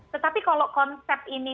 tetapi kalau konsep ini